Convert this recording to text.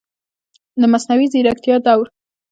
د مصنوعي ځیرکتیا دور